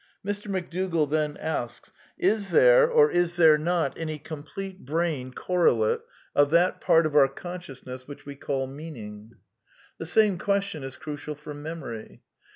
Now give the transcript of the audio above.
Mr. McDougall then asks :" Is there or is there not any complete brain correlate of that part of our conscious ness which we call meaning ?" The same question is crucial for memory.